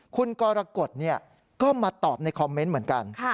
คุณกรกฎก็มาตอบในคอมเมนต์เหมือนกัน